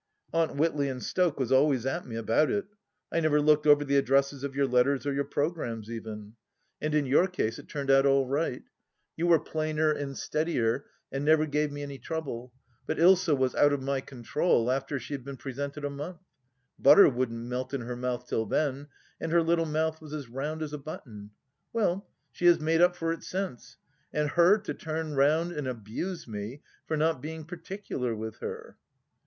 Aunt Witley and Stoke was always at me about it. I never looked over the addresses of your letters, or your programmes even. And THE LAST DITCH 57 in your case it turned out all right ; you were plainer and steadier, and never gave me any trouble, but Ilsa was out of my control before she had been presented a month ! Butter wouldn't melt in her mouth till then, and her little mouth was as round as a button. Well, she has made up for it since ! And her to turn round and abuse me for not being particular with her!